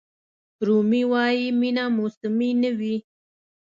رومي وایي مینه موسمي نه وي.